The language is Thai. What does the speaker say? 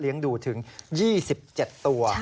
เลี้ยงดูถึง๒๗ตัว